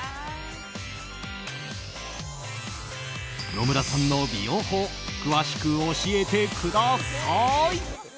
野村さんの美容法詳しく教えてください！